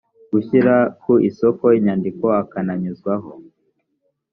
gushyira ku isoko inyandiko akananyuzwaho